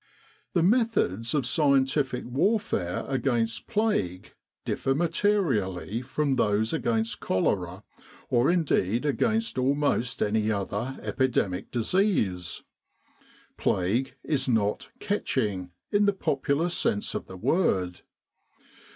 The methods of scientific warfare against plague differ materially from those against cholera, or indeed against almost any other epidemic disease. Plague is not "catching," in the popular sense of the word.